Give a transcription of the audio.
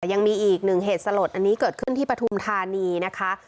ยังมีอีกหนึ่งเหตุสลดอันนี้เกิดขึ้นที่ปฐุมธานีนะคะ